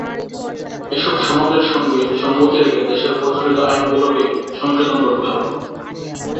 এসব সনদের সঙ্গে সংগতি রেখে দেশের প্রচলিত আইনগুলোকে সংশোধন করতে হবে।